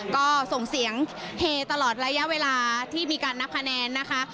ก็ส่งเสียงเฮตลอดระยะเวลาที่มีการนับคะแนนนะคะ